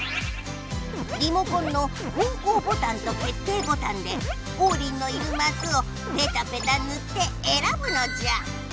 リモコンの方向ボタンと決定ボタンでオウリンのいるマスをペタペタぬってえらぶのじゃ！